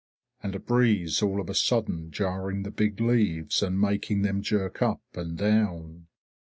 And a breeze all of a sudden, jarring the big leaves and making them jerk up and down.